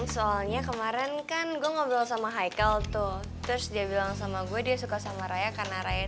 soalnya kemarin kan gue ngobrol sama hicle tuh terus dia bilang sama gue dia suka sama raya karena raya